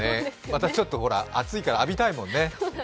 またちょっと暑いから浴びたいもんね。